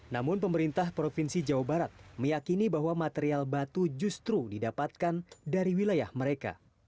namun pemerintah provinsi jawa barat meyakini bahwa material batu justru didapatkan dari wilayah mereka